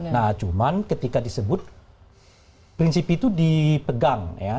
nah cuman ketika disebut prinsip itu dipegang ya